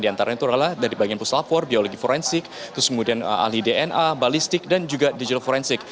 di antara itu adalah dari bagian puslapor biologi forensik terus kemudian ahli dna balistik dan juga digital forensik